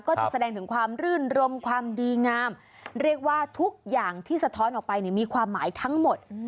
ก็จะแสดงถึงความรื่นรมความดีงามเรียกว่าทุกอย่างที่สะท้อนออกไปเนี่ยมีความหมายทั้งหมด